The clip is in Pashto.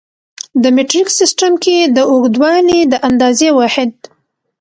په مټریک سیسټم کې د اوږدوالي د اندازې واحد